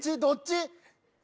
どっち？